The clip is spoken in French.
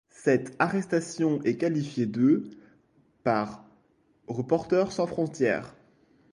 Cette arrestation est qualifiée de par Reporters sans frontières.